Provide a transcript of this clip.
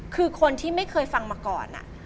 คือคนที่ไม่เคยฟังมาก่อน